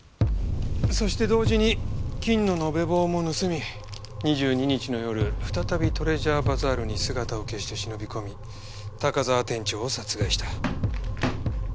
そして同時に金の延べ棒も盗み２２日の夜再びトレジャーバザールに姿を消して忍び込み高沢店長を殺害した。